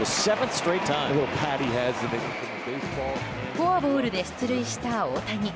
フォアボールで出塁した大谷。